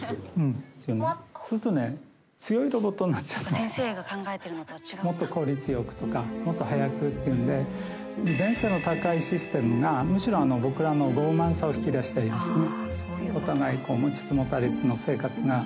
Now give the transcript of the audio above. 「もこもこ」言うだけでもっと効率良くとかもっと早くっていうんで利便性の高いシステムがむしろ僕らの傲慢さを引き出していますね。